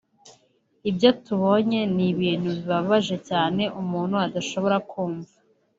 Ibyo tubonye ni ibintu bibabaje cyane umuntu adashobora kumva